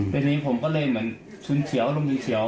เป็นอย่างนี้ผมก็เลยเหมือนชุนเฉียวลงชุนเฉียว